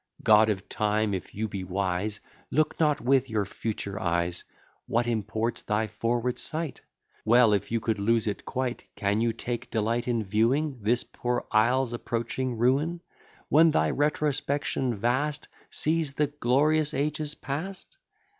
God of Time, if you be wise, Look not with your future eyes; What imports thy forward sight? Well, if you could lose it quite. Can you take delight in viewing This poor Isle's approaching ruin, When thy retrospection vast Sees the glorious ages past?